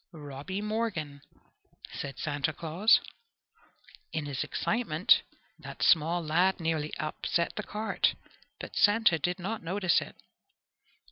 "Robby Morgan!" said Santa Claus. In his excitement that small lad nearly upset the cart, but Santa did not notice it.